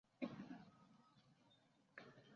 毛叶凤尾蕨为凤尾蕨科凤尾蕨属下的一个种。